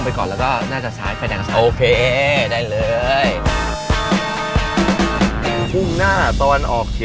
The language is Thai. มันน่าจะเป็นอะไรวะ